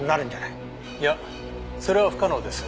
いやそれは不可能です。